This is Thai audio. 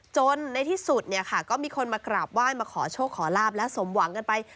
ในที่สุดเนี่ยค่ะก็มีคนมากราบไหว้มาขอโชคขอลาบและสมหวังกันไป